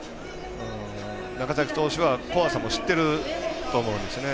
中崎投手は怖さも知ってると思うんですよね。